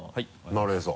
なるへそ。